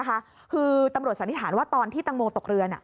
คือตำรวจสันนิษฐานว่าตอนที่ตังโมตกเรือ